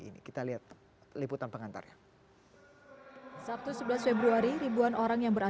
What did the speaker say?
tapi kita akan bahas mengenai pirkd dki jakarta